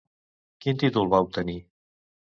Quin títol va obtenir?